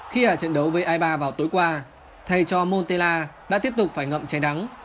khi ở trận đấu với eibar vào tối qua thay cho montella đã tiếp tục phải ngậm chai đắng